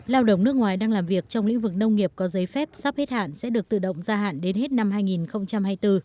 lao động nước ngoài đang làm việc trong lĩnh vực nông nghiệp có giấy phép sắp hết hạn sẽ được tự động gia hạn đến hết năm hai nghìn hai mươi bốn